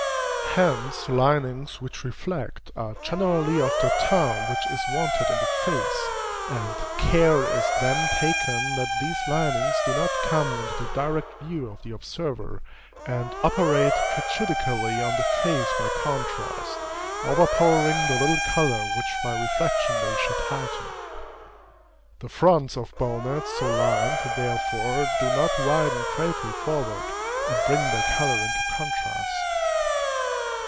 Hence linings which reflect, are generally of the teint which is wanted in the face; and care is then taken that these linings do not come into the direct view of the observer, and operate prejudicially on the face by contrast, overpowering the little color which by reflection they should heighten. The fronts of bonnets so lined, therefore, do not widen greatly forward, and bring their color into contrast.